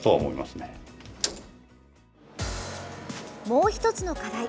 もう１つの課題